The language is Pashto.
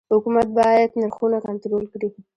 حکومت باید نرخونه کنټرول کړي؟